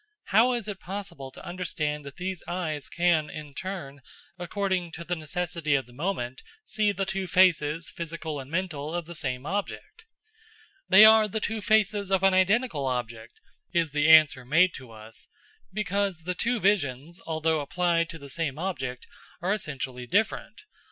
How is it possible to understand that these eyes can, in turn, according to the necessity of the moment, see the two faces, physical and mental, of the same object? They are the two faces of an identical object, is the answer made to us, because the two visions, although applied to the same object, are essentially different.